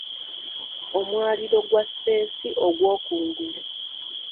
Omwaliiro gwa ssensi ogw'okungulu.